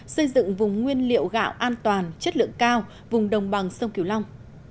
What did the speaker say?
xây dựng vùng nguyên liệu gạo an toàn chất lượng cao vùng đồng bằng sông kiều long